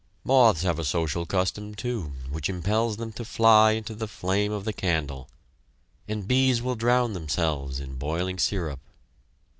Moths have a social custom, too, which impels them to fly into the flame of the candle, and bees will drown themselves in boiling syrup.